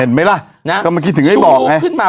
เห็นมั้ยล่ะก็เมื่อกี้ถึงให้บอกไง